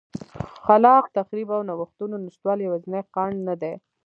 خلاق تخریب او نوښتونو نشتوالی یوازینی خنډ نه دی